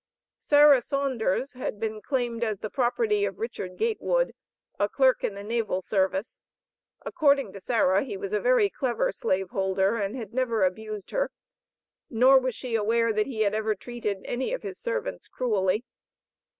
Sarah Saunders had been claimed as the property of Richard Gatewood, a clerk in the naval service. According to Sarah he was a very clever slave holder, and had never abused her. Nor was she aware that he had ever treated any of his servants cruelly.